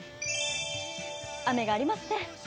雨がありますね。